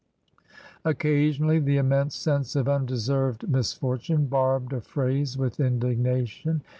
Occasionally the immense sense of undeserved mis fortune barbed a phrase with indignation.